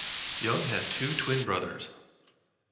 Young has two twin brothers.